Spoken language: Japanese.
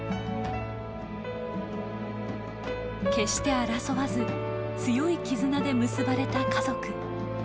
決して争わず強い絆で結ばれた家族。